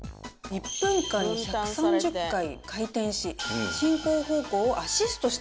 １分間に１３０回回転し進行方向をアシストしてくれる。